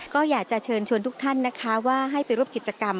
ก็อยากจะเชิญชวนทุกท่านนะคะว่าให้ไปร่วมกิจกรรม